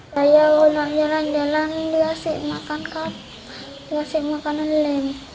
saya berjalan jalan dia masih makan kapur dia masih makan lem